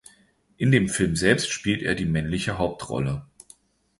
In dem Film selbst spielt er die männliche Hauptrolle.